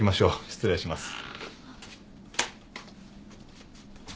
失礼します。